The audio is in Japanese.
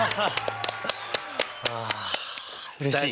あうれしい！